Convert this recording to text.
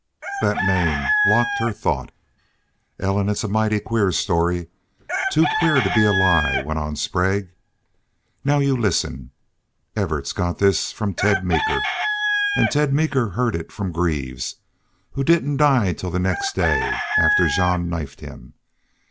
That name locked her thought. "Ellen, it's a mighty queer story too queer to be a lie," went on Sprague. "Now you listen! Evarts got this from Ted Meeker. An' Ted Meeker heerd it from Greaves, who didn't die till the next day after Jean Isbel knifed him.